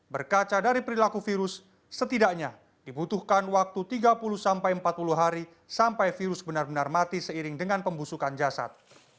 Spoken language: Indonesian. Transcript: berkaca dari perilaku virus setidaknya dibutuhkan waktu tiga puluh sampai empat puluh hari sampai virus benar benar mati seiring dengan pembusukan jasad